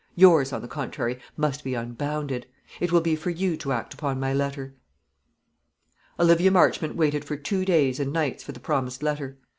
Yours, on the contrary, must be unbounded. It will be for you to act upon my letter." Olivia Marchmont waited for two days and nights for the promised letter.